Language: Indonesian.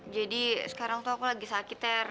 jadi sekarang tuh aku lagi sakit ter